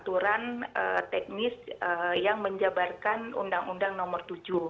aturan teknis yang menjabarkan undang undang nomor tujuh